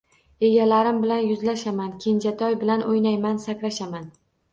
Egalarim bilan yuzlashaman, kenjatoy bilan o‘ynayman, sakrashaman